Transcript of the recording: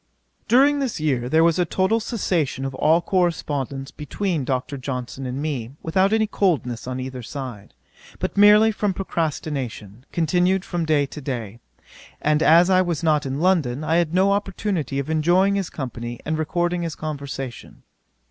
During this year there was a total cessation of all correspondence between Dr. Johnson and me, without any coldness on either side, but merely from procrastination, continued from day to day; and as I was not in London, I had no opportunity of enjoying his company and recording his conversation.